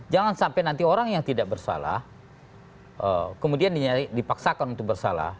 jangan sampai nanti orang yang tidak bersalah kemudian dipaksakan untuk bersalah